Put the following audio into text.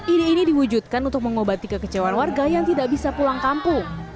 ide ini diwujudkan untuk mengobati kekecewaan warga yang tidak bisa pulang kampung